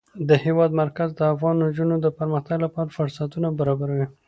د هېواد مرکز د افغان نجونو د پرمختګ لپاره فرصتونه برابروي.